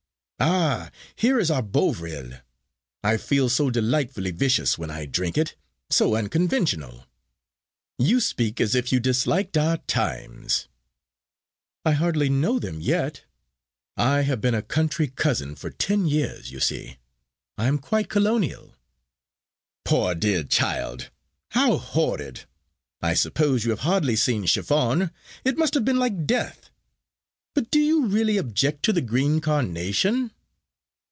Ah! here is our Bovril! I feel so delightfully vicious when I drink it, so unconventional! You speak as if you disliked our times." "I hardly know them yet. I have been a country cousin for ten years, you see. I am quite colonial." "Poor dear child. How horrid. I suppose you have hardly seen chiffon. It must have been like death. But do you really object to the green carnation?"